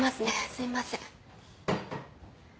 すいません。